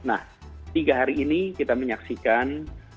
nah tiga hari ini kita menyaksikan